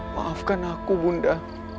maafkan aku bunda